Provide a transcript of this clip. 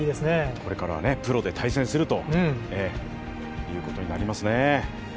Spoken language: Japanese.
これからプロで対戦するということになりますね。